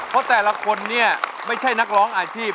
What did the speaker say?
เพราะแต่ละคนเนี่ยไม่ใช่นักร้องอาชีพ